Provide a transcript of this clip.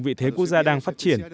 vị thế quốc gia đang phát triển